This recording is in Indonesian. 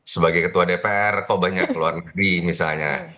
sebagai ketua dpr kok banyak luar negeri misalnya